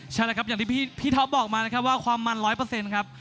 ใช่แล้วครับอย่างที่พี่ท็อปบอกมานะครับว่าความมัน๑๐๐ครับ